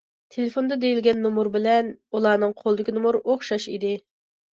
تېلېفوندا دېيىلگەن نومۇر بىلەن ئۇلارنىڭ قولىدىكى نومۇر ئوخشاش ئىدى.